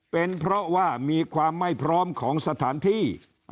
เป็นเพราะว่ามีความไม่พร้อมของสถานที่